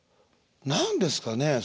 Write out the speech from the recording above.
何ですかね